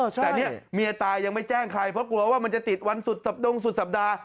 แต่เนี่ยเมียตายยังไม่แจ้งใครเพราะกลัวว่ามันจะติดวันสุดสับดงสุดสัปดาห์